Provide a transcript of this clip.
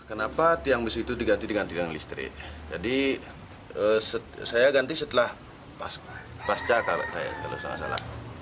kenapa tiang bis itu diganti dengan tiang listrik jadi saya ganti setelah pasca kalau tidak salah